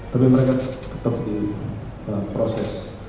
tapi mereka tetap di proses